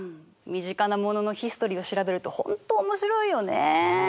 身近なもののヒストリーを調べると本当面白いよね。